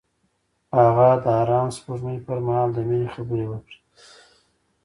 هغه د آرام سپوږمۍ پر مهال د مینې خبرې وکړې.